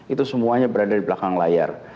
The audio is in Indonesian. itu semuanya berada di belakang layar